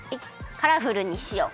カラフルにしよう。